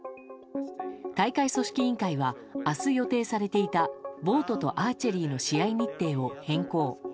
大会組織委員会は明日予定されていたボートとアーチェリーの試合日程を変更。